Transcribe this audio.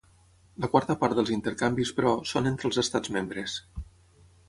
La quarta part dels intercanvis, però, són entre els Estats membres.